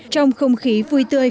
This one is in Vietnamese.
trong không khí vui tươi